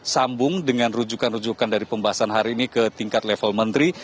sambung dengan rujukan rujukan dari pembahasan hari ini ke tingkat level menteri